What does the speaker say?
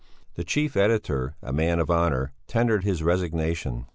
The chief editor, a man of honour, tendered his resignation.